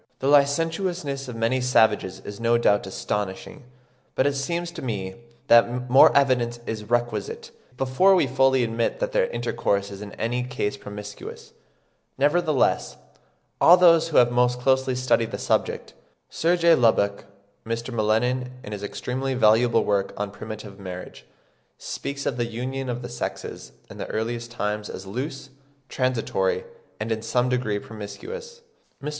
The licentiousness of many savages is no doubt astonishing, but it seems to me that more evidence is requisite, before we fully admit that their intercourse is in any case promiscuous. Nevertheless all those who have most closely studied the subject (5. Sir J. Lubbock, 'The Origin of Civilisation,' 1870, chap. iii. especially pp. 60 67. Mr. M'Lennan, in his extremely valuable work on 'Primitive Marriage,' 1865, p. 163, speaks of the union of the sexes "in the earliest times as loose, transitory, and in some degree promiscuous." Mr.